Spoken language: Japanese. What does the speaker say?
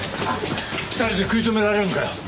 ２人で食い止められるのかよ？